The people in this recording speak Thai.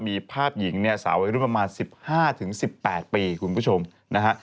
มีภาพหญิงเนี่ยสาวอายุประมาณ๑๕๑๘ปีคุณผู้ชมนะฮะ